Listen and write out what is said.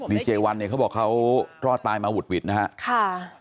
เจวันเนี่ยเขาบอกเขารอดตายมาหุดหวิดนะฮะค่ะ